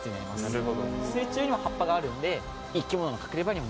なるほど。